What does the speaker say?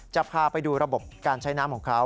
จะพาไปดูระบบการใช้น้ำของเขา